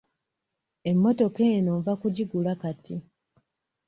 Emmotoka eno nva kugigula kati.